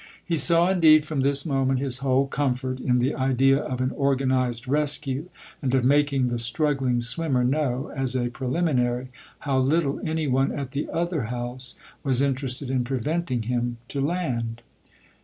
He saw indeed from this moment his whole comfort in the idea of an organised rescue and of making the struggling swimmer know, as a preliminary, how little any one at the other house was interested in preventing him to land.